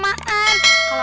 bawain bensin soalnya kelamaan